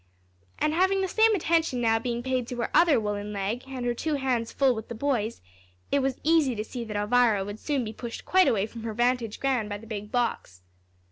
And having the same attention now being paid to her other woollen leg, and her two hands full with the boys, it was easy to see that Elvira would soon be pushed quite away from her vantage ground by the big box.